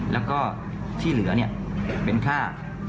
แล้วก็ที่เหลือเป็นค่า